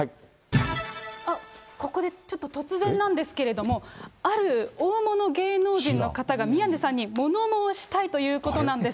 ここでちょっと突然なんですけれども、ある大物芸能人の方が、宮根さんに物申したいということなんです。